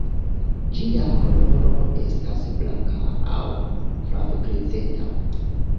Ĝia koloro estas blanka aŭ flavgrizeta.